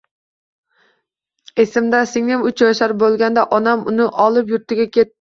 Esimda singlim uch yashar bo`lganida onam uni olib yurtiga ketdi